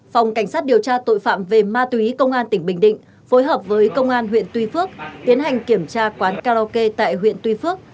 phòng cảnh sát điều tra tội phạm về ma túy công an tỉnh bình định phối hợp với công an huyện tuy phước tiến hành kiểm tra quán karaoke tại huyện tuy phước